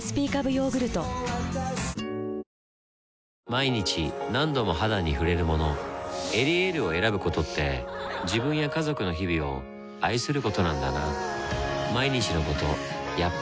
毎日何度も肌に触れるもの「エリエール」を選ぶことって自分や家族の日々を愛することなんだなぁ